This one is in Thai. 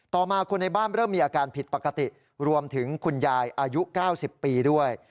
ต่อมาคนในบ้านเริ่มมีอาการผิดปกติรวมถึงคุณยายอายุ๙๐ปีด้วย